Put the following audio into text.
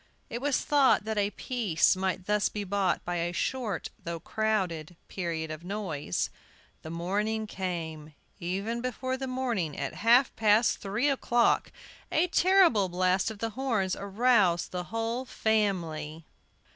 It was thought that a peace might thus be bought by a short, though crowded, period of noise. The morning came. Even before the morning, at half past three o'clock, a terrible blast of the horns aroused the whole family. Mrs.